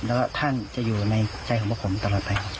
แล้วท่านจะอยู่ในใจของพวกผมตลอดไปครับ